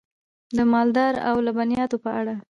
د مالدارۍ او لبنیاتو په اړه: